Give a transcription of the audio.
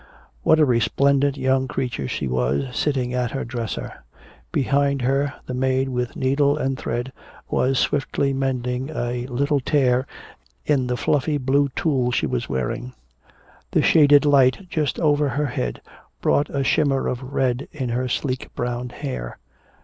What a resplendent young creature she was, seated at her dresser. Behind her the maid with needle and thread was swiftly mending a little tear in the fluffy blue tulle she was wearing. The shaded light just over her head brought a shimmer of red in her sleek brown hair.